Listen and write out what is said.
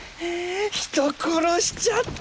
人殺しちゃった！